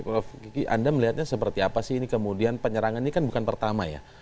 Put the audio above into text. prof kiki anda melihatnya seperti apa sih ini kemudian penyerangan ini kan bukan pertama ya